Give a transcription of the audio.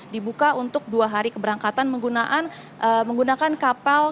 dibuka untuk dua hari keberangkatan menggunakan kapal